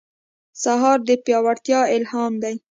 سهار د پیاوړتیا الهام دی.